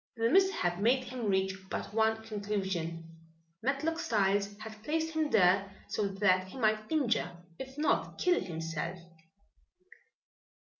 The mishap made him reach but one conclusion. Matlock Styles had placed him there so that he might injure if not kill himself!